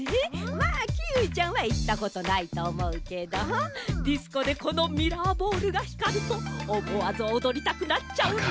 まあキーウィちゃんはいったことないとおもうけどディスコでこのミラーボールがひかるとおもわずおどりたくなっちゃうの。